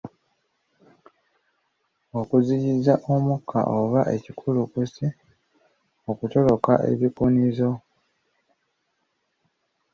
Okuziyiza omukka oba ekikulukusi okutoloka ebikunizo.